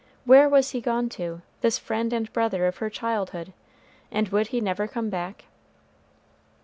Where was he gone to this friend and brother of her childhood, and would he never come back?